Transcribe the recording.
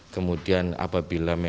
kemudian apabila memiliki